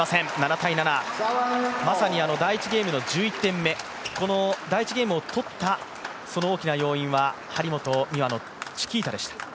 まさに第１ゲームの１１点目この第１ゲームを取ったその大きな要因は張本美和のチキータでした。